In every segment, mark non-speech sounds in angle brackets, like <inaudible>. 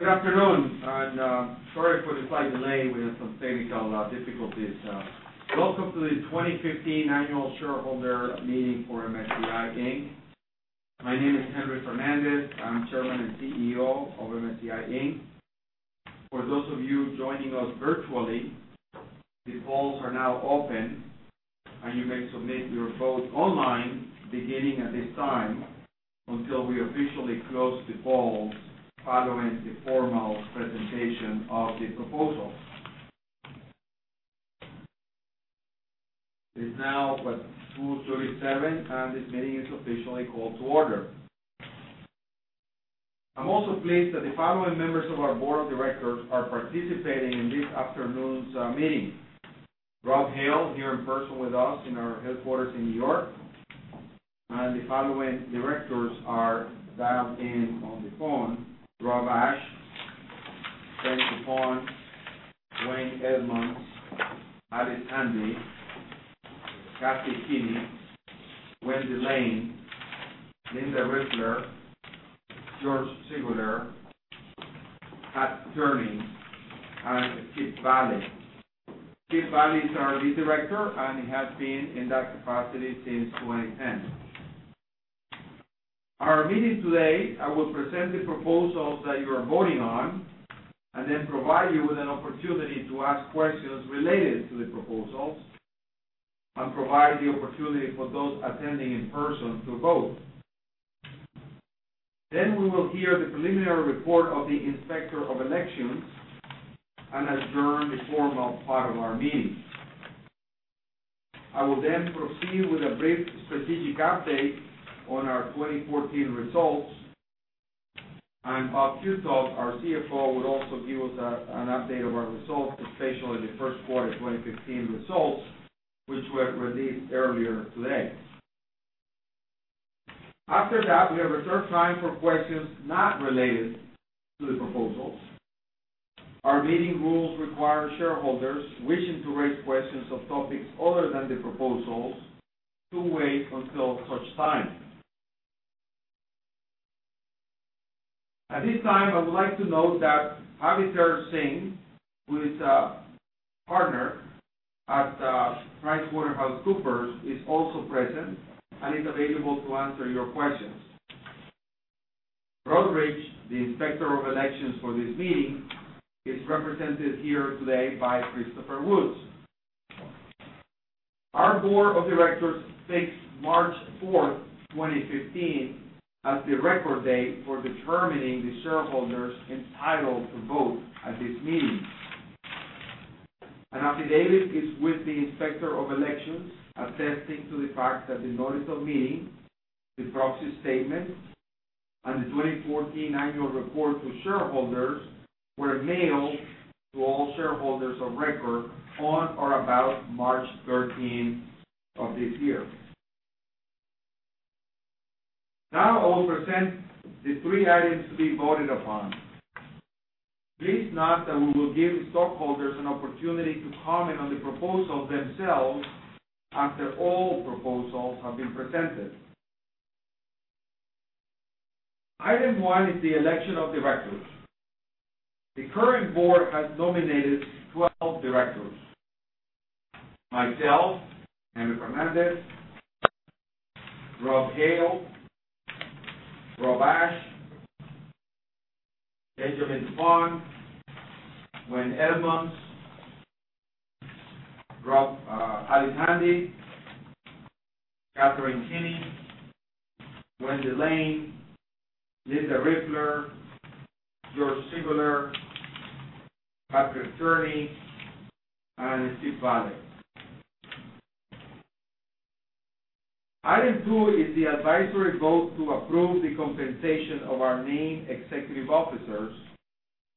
Good afternoon. Sorry for the slight delay. We had some technical difficulties. Welcome to the 2015 annual shareholder meeting for MSCI Inc. My name is Henry Fernandez. I'm Chairman and CEO of MSCI Inc. For those of you joining us virtually, the polls are now open. You may submit your vote online beginning at this time until we officially close the polls following the formal presentation of the proposals. It is now 2:37 P.M. This meeting is officially called to order. I'm also pleased that the following members of our Board of Directors are participating in this afternoon's meeting. Rob Hale, here in person with us in our headquarters in New York. The following directors are dialed in on the phone: Rob Ashe, Benjamin Swan, Wayne Edmunds, Alice Handy, Kathy Kinney, Wendy Lane, Linda Riefler, George Siguler, Pat Ryan, and Kip Vallee. Kip Vallee is our Lead Director. He has been in that capacity since 2010. Our meeting today, I will present the proposals that you are voting on. Then provide you with an opportunity to ask questions related to the proposals and provide the opportunity for those attending in person to vote. We will hear the preliminary report of the Inspector of Elections and adjourn the formal part of our meeting. I will then proceed with a brief strategic update on our 2014 results. Bob Qutub, our CFO, will also give us an update of our results, especially the first quarter 2015 results, which were released earlier today. After that, we have reserved time for questions not related to the proposals. Our meeting rules require shareholders wishing to raise questions of topics other than the proposals to wait until such time. At this time, I would like to note that Abhir Singh, who is a Partner at PricewaterhouseCoopers, is also present and is available to answer your questions. Broadridge, the Inspector of Elections for this meeting, is represented here today by Christopher Woods. Our Board of Directors fixed March 4th, 2015, as the record date for determining the shareholders entitled to vote at this meeting. An affidavit is with the Inspector of Elections attesting to the fact that the notice of meeting, the proxy statement, and the 2014 annual report to shareholders were mailed to all shareholders of record on or about March 13th of this year. I will present the three items to be voted upon. Please note that we will give stockholders an opportunity to comment on the proposals themselves after all proposals have been presented. Item one is the election of directors. The current Board has nominated 12 directors. Myself, Henry Fernandez, Rob Hale, Rob Ashe, Benjamin Swan, Wayne Edmunds, Alice Handy, Catherine Kinney, Wendy Lane, Linda Riefler, George Siguler, Patrick Ryan, and Kip Vallee. Item two is the advisory vote to approve the compensation of our named executive officers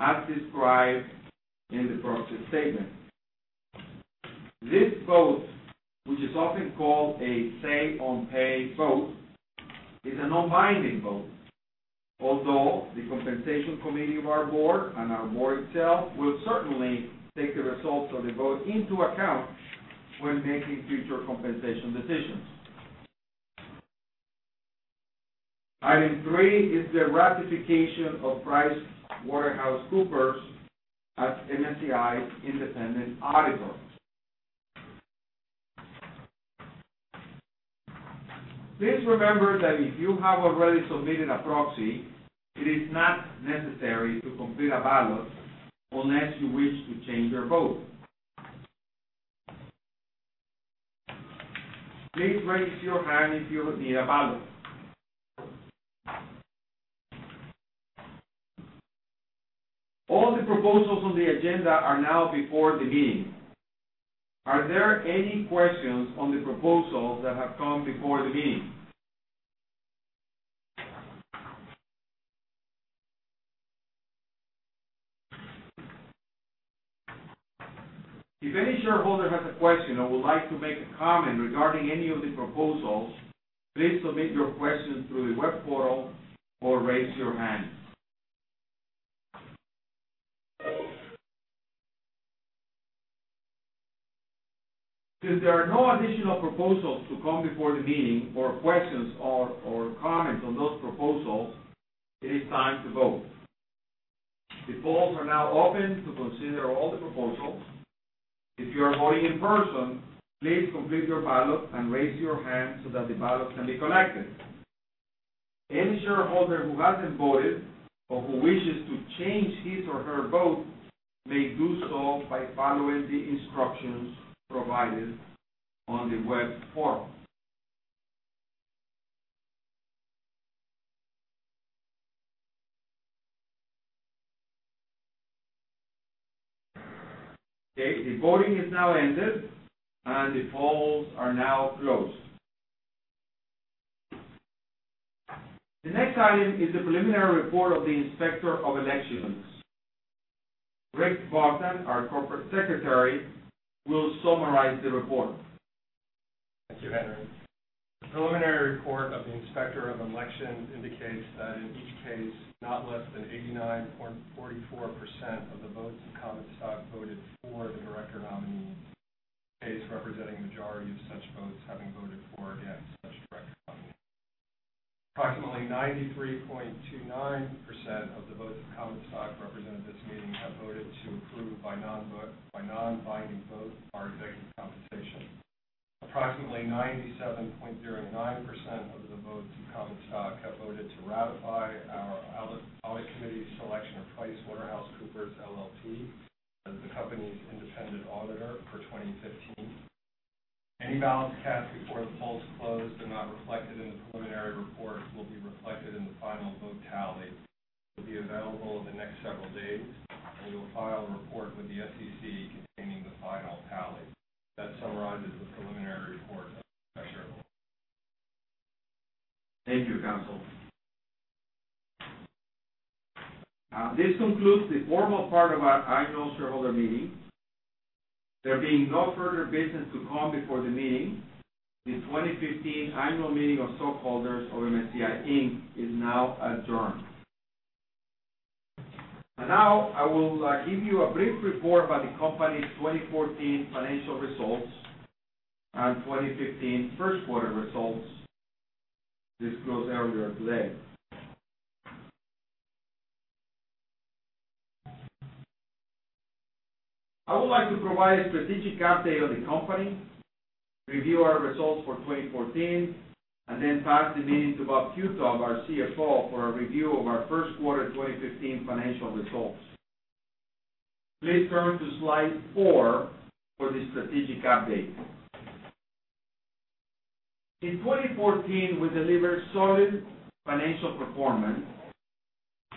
as described in the proxy statement. This vote, which is often called a say on pay vote, is a non-binding vote, although the Compensation Committee of our Board and our Board itself will certainly take the results of the vote into account when making future compensation decisions. Item three is the ratification of PricewaterhouseCoopers as MSCI's independent auditor. Please remember that if you have already submitted a proxy, it is not necessary to complete a ballot unless you wish to change your vote. Please raise your hand if you need a ballot. All the proposals on the agenda are now before the meeting. Are there any questions on the proposals that have come before the meeting? If any shareholder has a question or would like to make a comment regarding any of the proposals, please submit your question through the web portal or raise your hand. Since there are no additional proposals to come before the meeting or questions or comments on those proposals, it is time to vote. The polls are now open to consider all the proposals. If you are voting in person, please complete your ballot and raise your hand so that the ballot can be collected. Any shareholder who hasn't voted or who wishes to change his or her vote may do so by following the instructions provided on the web forum. Okay. The voting is now ended, and the polls are now closed. The next item is the preliminary report of the Inspector of Elections. Gary Retelny, our Corporate Secretary, will summarize the report. Thank you, Henry. The preliminary report of the Inspector of Elections indicates that in each case, not less than 89.44% of the votes of common stock voted for the director nominees. Case representing majority of such votes having voted for or against such director nominees. Approximately 93.29% of the votes of common stock represented at this meeting have voted to approve by non-binding vote our executive compensation. Approximately 97.09% of the votes of common stock have voted to ratify our Audit Committee's selection of PricewaterhouseCoopers LLP as the company's independent auditor for 2015. Any ballots cast before the polls closed but not reflected in the preliminary report will be reflected in the final vote tally, which will be available in the next several days, and we will file a report with the SEC containing the final tally. That summarizes the preliminary report, Mr. Chairman. Thank you, Counsel. This concludes the formal part of our annual shareholder meeting. There being no further business to come before the meeting, the 2015 Annual Meeting of Stockholders of MSCI Inc. is now adjourned. Now I will give you a brief report about the company's 2014 financial results and 2015 first quarter results disclosed earlier today. I would like to provide a strategic update of the company, review our results for 2014, then pass the meeting to Bob Qutub, our CFO, for a review of our first quarter 2015 financial results. Please turn to slide four for the strategic update. In 2014, we delivered solid financial performance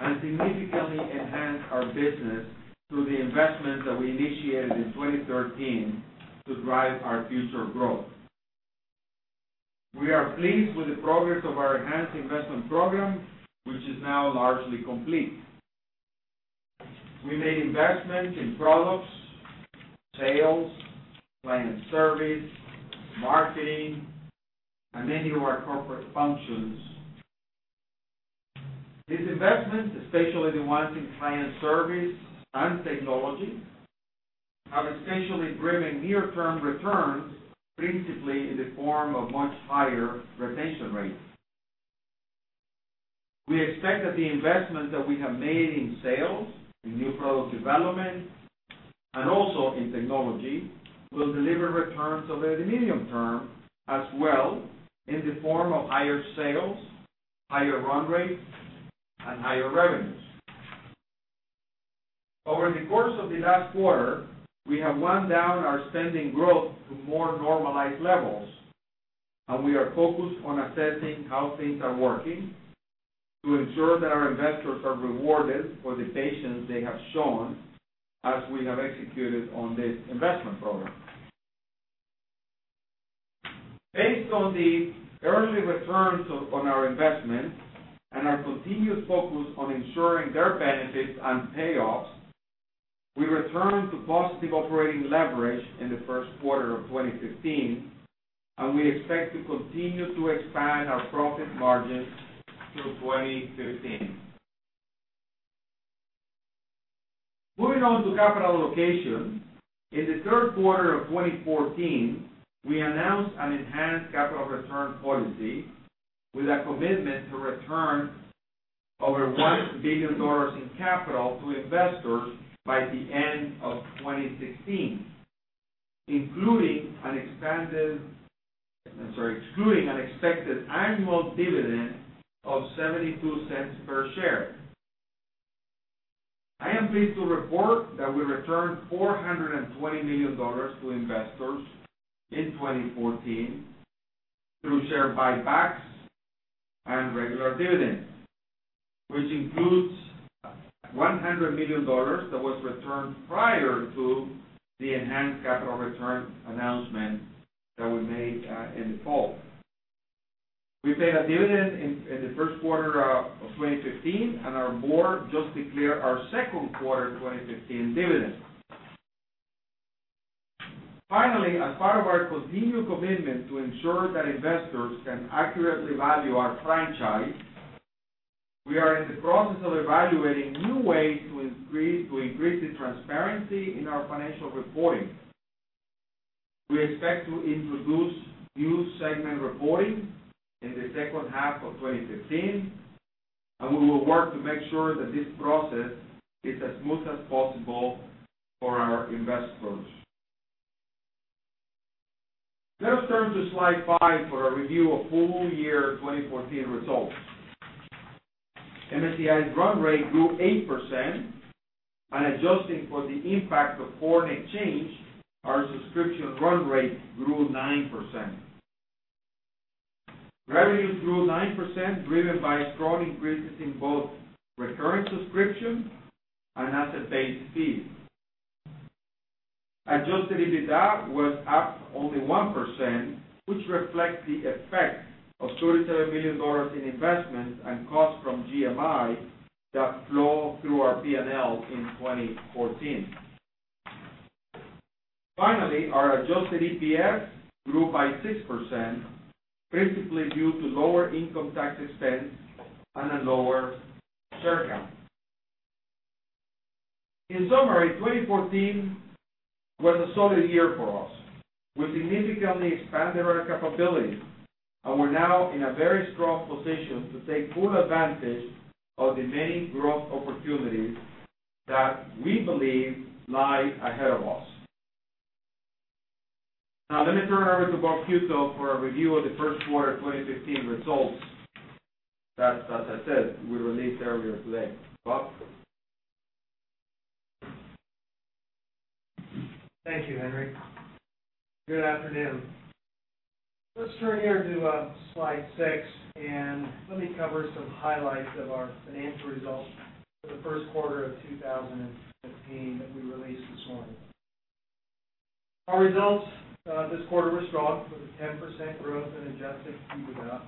and significantly enhanced our business through the investments that we initiated in 2013 to drive our future growth. We are pleased with the progress of our enhanced investment program, which is now largely complete. We made investments in products, sales, client service, marketing, and many of our corporate functions. These investments, especially the ones in client service and technology, have essentially driven near-term returns, principally in the form of much higher retention rates. We expect that the investment that we have made in sales, in new product development, and also in technology, will deliver returns over the medium term as well in the form of higher sales, higher run rates, and higher revenues. Over the course of the last quarter, we have wound down our spending growth to more normalized levels. We are focused on assessing how things are working to ensure that our investors are rewarded for the patience they have shown as we have executed on this investment program. Based on the early returns on our investments and our continued focus on ensuring their benefits and payoffs, we returned to positive operating leverage in the first quarter of 2015. We expect to continue to expand our profit margins through 2015. Moving on to capital allocation, in the third quarter of 2014, we announced an enhanced capital return policy with a commitment to return over $1 billion in capital to investors by the end of 2016, excluding an expected annual dividend of $0.72 per share. I am pleased to report that we returned $420 million to investors in 2014 through share buybacks and regular dividends, which includes $100 million that was returned prior to the enhanced capital return announcement that we made in the fall. We paid a dividend in the first quarter of 2015. Our board just declared our second quarter 2015 dividend. Finally, as part of our continued commitment to ensure that investors can accurately value our franchise, we are in the process of evaluating new ways to increase the transparency in our financial reporting. We expect to introduce new segment reporting in the second half of 2015, and we will work to make sure that this process is as smooth as possible for our investors. Let us turn to slide five for a review of full year 2014 results. MSCI's run rate grew 8%, and adjusting for the impact of foreign exchange, our subscription run rate grew 9%. Revenue grew 9%, driven by strong increases in both recurring subscriptions and asset-based fees. Adjusted EBITDA was up only 1%, which reflects the effect of $27 million in investments and costs from GMI that flow through our P&L in 2014. Finally, our adjusted EPS grew by 6%, principally due to lower income tax expense and a lower share count. In summary, 2014 was a solid year for us. We significantly expanded our capabilities. We're now in a very strong position to take full advantage of the many growth opportunities that we believe lie ahead of us. Now let me turn it over to Bob Qutub for a review of the first quarter 2015 results that, as I said, we released earlier today. Bob? Thank you, Henry. Good afternoon. Let's turn here to slide six, and let me cover some highlights of our financial results for the first quarter of 2015 that we released this morning. Our results this quarter were strong, with a 10% growth in adjusted EBITDA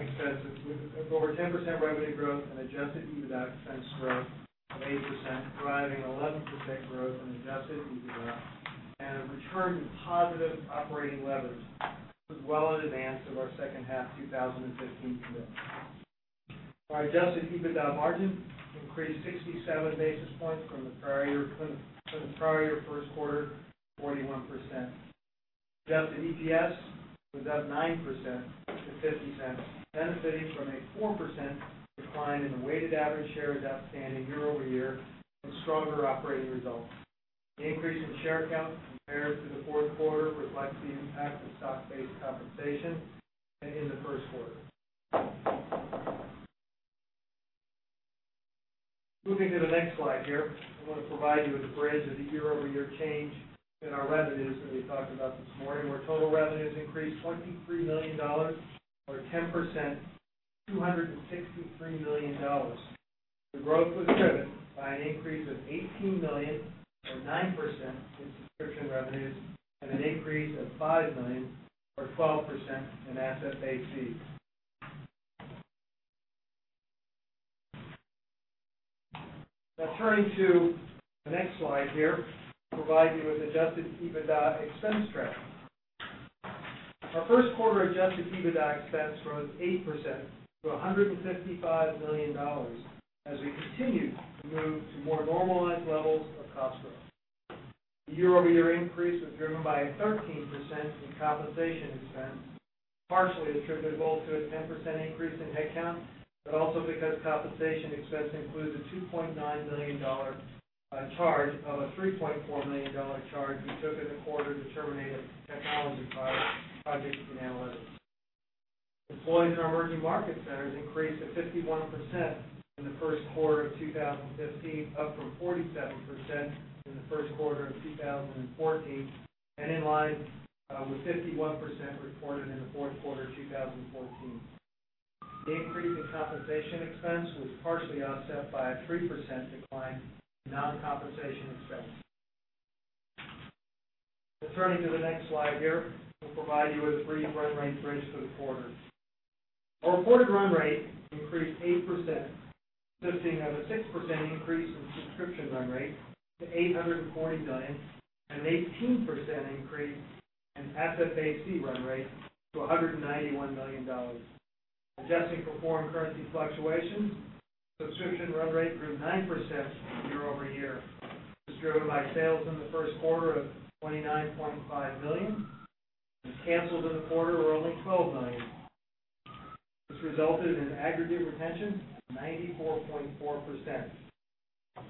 expense, with over 10% revenue growth and adjusted EBITDA expense growth of 8%, driving 11% growth in adjusted EBITDA, and a return to positive operating leverage. This was well in advance of our second half 2015 commitment. Our adjusted EBITDA margin increased 67 basis points from the prior year first quarter, 41%. Adjusted EPS was up 9% to $0.50, benefiting from a 4% decline in the weighted average shares outstanding year-over-year from stronger operating results. The increase in share count compared to the fourth quarter reflects the impact of stock-based compensation in the first quarter. Moving to the next slide here, I want to provide you with a bridge of the year-over-year change in our revenues that we talked about this morning, where total revenues increased $23 million, or 10%, to $263 million. The growth was driven by an increase of $18 million, or 9%, in subscription revenues and an increase of $5 million, or 12%, in asset-based fees. Now turning to the next slide here, I'll provide you with adjusted EBITDA expense trends. Our first quarter adjusted EBITDA expense rose 8% to $155 million as we continued to move to more normalized levels of cost growth. The year-over-year increase was driven by a 13% in compensation expense, partially attributable to a 10% increase in headcount, but also because compensation expense includes a $2.9 million charge of a $3.4 million charge we took in the quarter to terminate a technology project in analytics. Employees in our emerging market centers increased to 51% in the first quarter of 2015, up from 47% in the first quarter of 2014, and in line with 51% reported in the fourth quarter of 2014. The increase in compensation expense was partially offset by a 3% decline in non-compensation expense. Now turning to the next slide here, we'll provide you with a brief run rate bridge for the quarter. Our reported run rate increased 8%, consisting of a 6% increase in subscription run rate to $840 million and an 18% increase in asset-based fee run rate to $191 million. Adjusting for foreign currency fluctuations, subscription run rate grew 9% year-over-year. This was driven by sales in the first quarter of $29.5 million, and cancels in the quarter were only $12 million. This resulted in aggregate retention of 94.4%.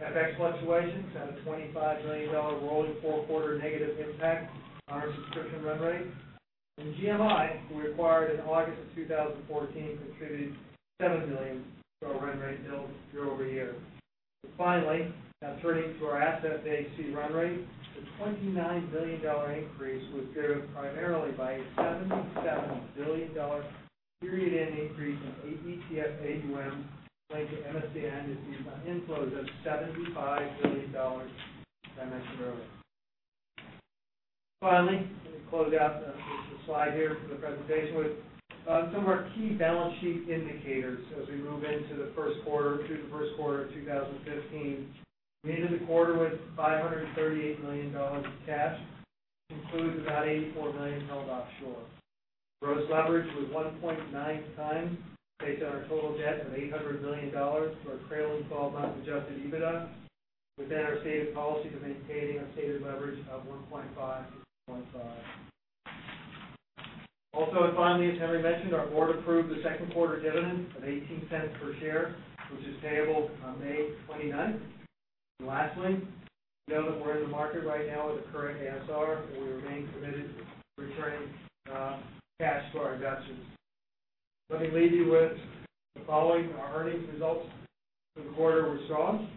FX fluctuations had a $25 million rolling four-quarter negative impact on our subscription run rate, and GMI, who we acquired in August of 2014, contributed $7 million to our run rate build year-over-year. Finally, now turning to our asset-based fee run rate, the $29 million increase was driven primarily by a $77 billion period-end increase in ETF AUM linked to MSCI inflows of $75 billion, as I mentioned earlier. Finally, let me close out the slide here for the presentation with some of our key balance sheet indicators as we move into the first quarter of 2015. We entered the quarter with $538 million in cash, which includes about $84 million held offshore. Gross leverage was 1.9x based on our total debt of $800 million to our trailing 12 months adjusted EBITDA. Within our stated policy of maintaining a stated leverage of. <inaudible> Finally, as Henry mentioned, our board approved the second quarter dividend of $0.18 per share, which is payable on May 29th. Lastly, note that we're in the market right now with the current ASR, and we remain committed to returning cash to our investors. Let me leave you with the following. Our earnings results for the quarter were strong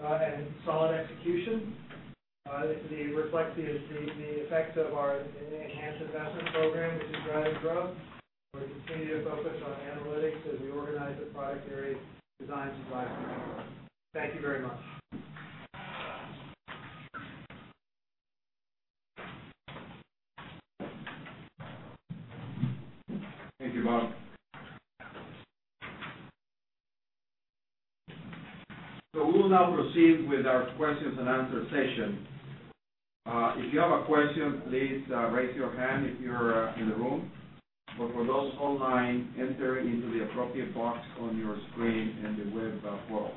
and solid execution. They reflect the effects of our enhanced investment program, which is driving growth. We're continuing to focus on analytics as we organize the product area designed to drive new growth. Thank you very much. Thank you, Bob. We will now proceed with our questions and answer session. If you have a question, please raise your hand if you're in the room. For those online, enter into the appropriate box on your screen in the web portal.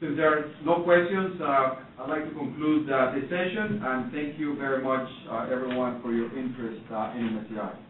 Since there are no questions, I'd like to conclude the session, thank you very much, everyone, for your interest in MSCI.